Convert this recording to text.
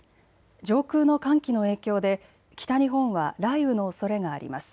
上空の寒気の影響で北日本は雷雨のおそれがあります。